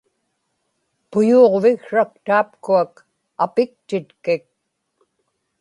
puyuuġviksrak taapkuak apiktitkik